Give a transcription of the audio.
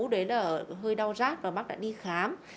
đấy là hơi đau rát và bác đã đi khám